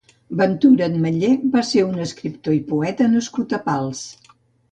Ventura Ametller va ser un escriptor i poeta nascut a Pals.